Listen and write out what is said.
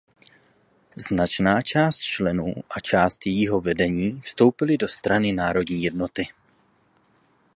Značná část členů a část jejího vedení vstoupily do Strany národní jednoty.